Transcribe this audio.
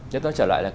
nhớ tôi trở lại là